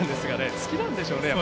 好きなんでしょうね。